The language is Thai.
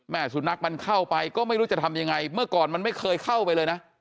สุนัขมันเข้าไปก็ไม่รู้จะทำยังไงเมื่อก่อนมันไม่เคยเข้าไปเลยนะ